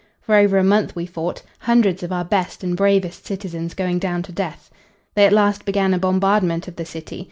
For over a month we fought, hundreds of our best and bravest citizens going down to death. They at last began a bombardment of the city.